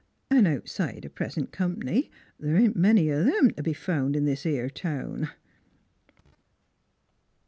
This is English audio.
'N' outside present comp'ny, the' ain't many of 'em t' be found in this 'ere town."